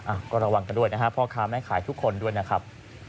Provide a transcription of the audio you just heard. อ่ะก็ระวังกันด้วยนะฮะพ่อค้าแม่ขายทุกคนด้วยนะครับ